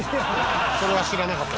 それは知らなかった。